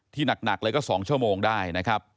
หนักเลยก็๒ชั่วโมงได้นะครับ